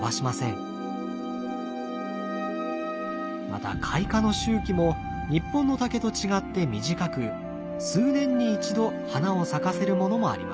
また開花の周期も日本の竹と違って短く数年に一度花を咲かせるものもあります。